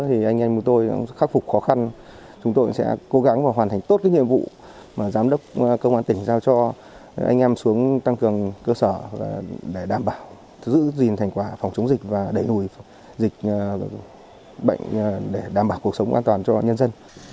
thì anh em của tôi khắc phục khó khăn chúng tôi sẽ cố gắng và hoàn thành tốt cái nhiệm vụ mà giám đốc công an tỉnh giao cho anh em xuống tăng cường cơ sở để đảm bảo giữ gìn thành quả phòng chống dịch và đẩy lùi dịch bệnh để đảm bảo cuộc sống an toàn cho nhân dân